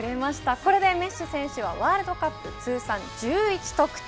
これでメッシ選手はワールドカップ通算１１得点。